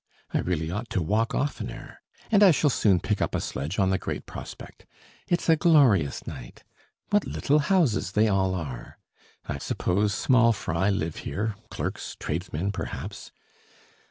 I really ought to walk oftener. And I shall soon pick up a sledge on the Great Prospect. It's a glorious night. What little houses they all are! I suppose small fry live here, clerks, tradesmen, perhaps....